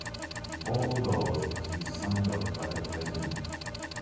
All laws must be signed off by the President.